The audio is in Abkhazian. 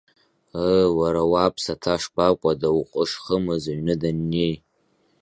Ыы, уара уаб ԥсаҭашкәакәа дауҟәышхымыз аҩны даннеи.